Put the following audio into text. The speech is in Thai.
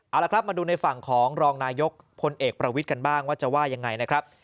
เอาละครับมาดูในฝั่งของรองนายกพลเอกประวิทย์กันบ้างว่าจะว่ายังไงนะครับ